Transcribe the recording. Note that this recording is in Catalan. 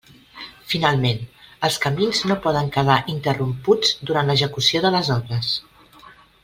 Finalment, els camins no poden quedar interromputs durant l'execució de les obres.